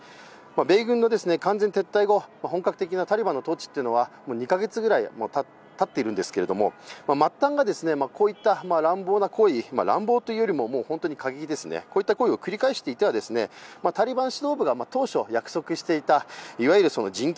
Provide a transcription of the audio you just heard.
米軍が完全撤退後、本格的なタリバンの統治というのは２カ月ぐらいたっているんですけど末端がこういった乱暴な行為乱暴というよりも、過激ですね、こういった行為を繰り返してタリバン指導部が当初約束していたもの